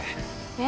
え？